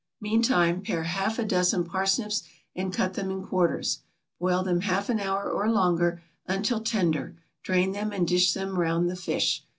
Meantime pare half a dozen parsnips, and cut them in quarters, boil them half an hour, or longer, until tender, drain them, and dish them around the fish.